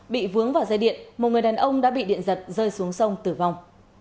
bị vướng vào dây điện một người đàn ông đã bị điện giật rơi xuống sông tử vong